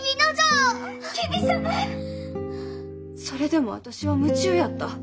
それでも私は夢中やった。